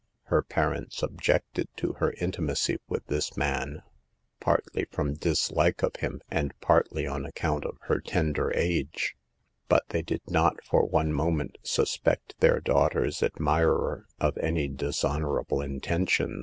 Her parents objected to her intimacy with this man, partly from dislike of him and partly on account of her tender age ; but they did not for one moment suspect their daugh ter's admirer of any dishonorable intentions.